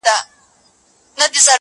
جادوګر ویل زما سر ته دي امان وي٫